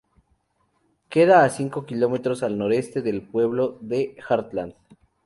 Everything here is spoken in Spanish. Queda a cinco kilómetros al noroeste del pueblo de Hartland.